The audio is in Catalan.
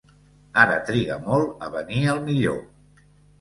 Ara triga molt a venir el millor.